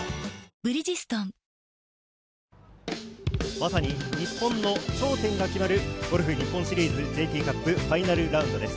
まさに日本の頂点が決まるゴルフ日本シリーズＪＴカップファイナルラウンドです。